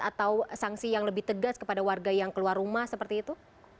atau sanksi yang lebih tegas kepada warga yang keluar rumah seperti itu